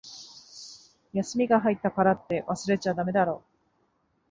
休みが入ったからって、忘れちゃだめだろ。